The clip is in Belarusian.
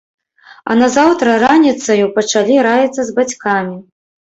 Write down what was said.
А назаўтра раніцаю пачалі раіцца з бацькамі.